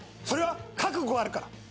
それは覚悟があるから。